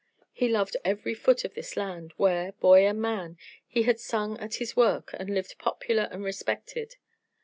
He loved every foot of this land, where, boy and man, he had sung at his work and lived popular and respected.